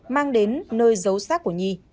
mang đến nơi giấu xác của nhi